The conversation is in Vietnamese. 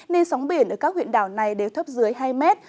nên sóng biển ở các huyện đảo này đều thấp dưới hai mét